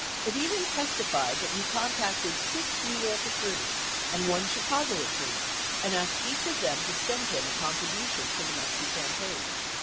77 Edidin testified that he contacted six New York attorneys and one Chicago attorney and asked each of them to send him a contribution for the Muskie campaign.